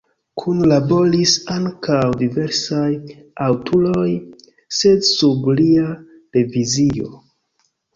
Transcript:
Kunlaboris ankaŭ diversaj aŭtoroj, sed sub lia revizio.